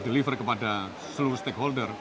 deliver kepada seluruh stakeholder